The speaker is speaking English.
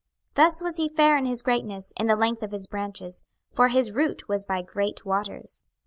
26:031:007 Thus was he fair in his greatness, in the length of his branches: for his root was by great waters.